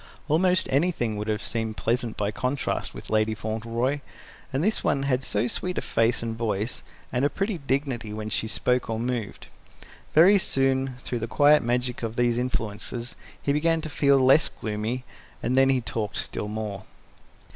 Almost anything would have seemed pleasant by contrast with Lady Fauntleroy; and this one had so sweet a face and voice, and a pretty dignity when she spoke or moved. Very soon, through the quiet magic of these influences, he began to feel less gloomy, and then he talked still more.